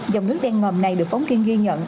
dòng nước đen ngầm này được phóng viên ghi nhận